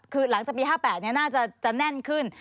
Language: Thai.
คือหลังจากปี๕๘น่าจะแน่นขึ้น